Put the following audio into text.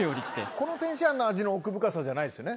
この天津飯の味の奥深さじゃないですよね。